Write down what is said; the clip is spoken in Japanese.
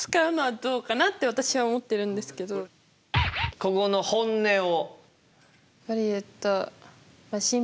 ここの本音を。